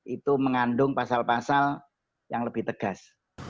itu mengandung pasal pasal yang lebih tegas